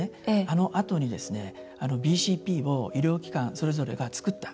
あのあとにＢＣＰを医療機関それぞれが作った。